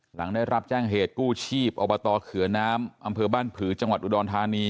หลังได้รับแจ้งเหตุกู้ชีพอบตเขือน้ำอำเภอบ้านผือจังหวัดอุดรธานี